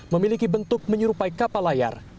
memiliki bentuk menyerupai kapal layar